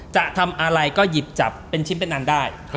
จะทำอะไรก็หยิบจับเป็นชิ้นเป็นอันได้